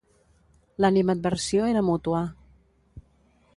L'animadversió era mútua.